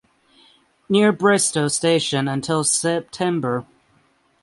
Near Bristoe Station until September.